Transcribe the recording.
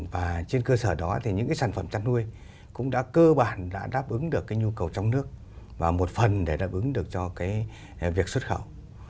và trên cơ sở đó thì những cái sản phẩm chăn nuôi cũng đã cơ bản đã đáp ứng được cái nhu cầu trong nước và một phần để đáp ứng được cho cái việc xuất khẩu